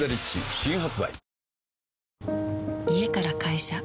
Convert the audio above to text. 新発売